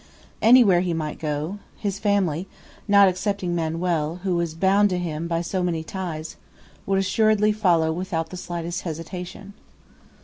Anywhere he might go, his family not excepting Manoel, who was bound to him by so many ties would assuredly follow without the slightest hesitation.